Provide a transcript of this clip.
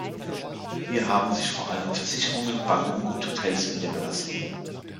Hier haben sich vor allem Versicherungen, Banken und Hotels niedergelassen.